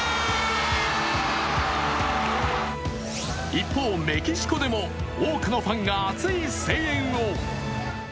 一方、メキシコでも多くのファンが熱い声援を。